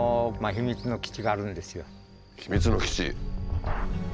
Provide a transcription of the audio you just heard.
秘密の基地？